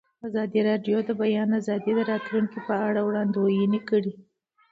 ازادي راډیو د د بیان آزادي د راتلونکې په اړه وړاندوینې کړې.